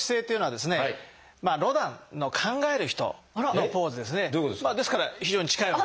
ですから非常に近いわけです。